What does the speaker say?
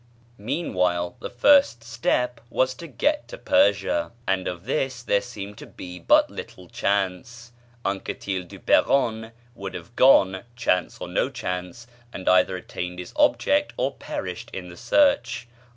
Meanwhile the first step was to get to Persia, and of this there seemed to be but little chance. Anquetil du Perron would have gone, chance or no chance, and either attained his object or perished in the search.